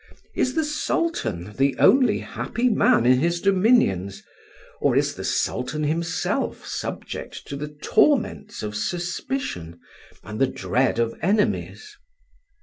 Is the Sultan the only happy man in his dominions, or is the Sultan himself subject to the torments of suspicion and the dread of enemies?"